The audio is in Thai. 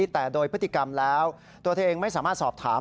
แต่โดยพฤติกรรมแล้วตัวเธอเองไม่สามารถสอบถาม